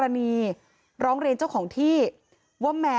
สวัสดีคุณผู้ชายสวัสดีคุณผู้ชาย